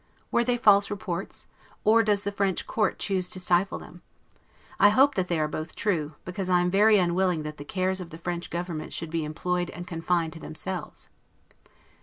Were they false reports? or does the French court choose to stifle them? I hope that they are both true, because I am very willing that the cares of the French government should be employed and confined to themselves.